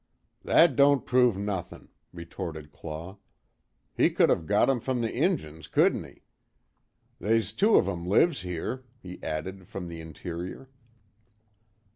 "That don't prove nothin'," retorted Claw, "He could of got 'em from the Injuns, couldn't he? They's two of 'em lives here," he added, from the interior.